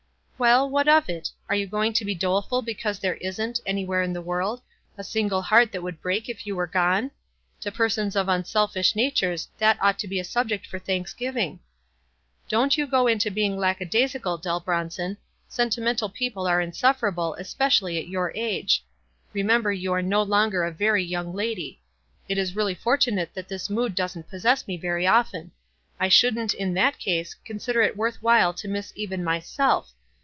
"Well, what of it? Are you going to be dole ful because there isn't, anywhere in the world, a single heart that would break if you were gone ! To persons of unselfish natures that ought to be a subject for thanksgiving. Don't you go to being lackadaisical, Dell Bronson. Sentimental people are insufferable, especially at your ago. Remember you are no longer a very } T oung "lady. It is really fortunate that this mood doesn't pos sess me very often. I shouldn't, in that case, WISE AND OTHERWISE. 143 consider it worth while to miss even myself.